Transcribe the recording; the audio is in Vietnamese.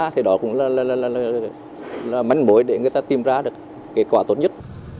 thì đó cũng là manh mối để người ta tìm ra được kết quả tốt nhất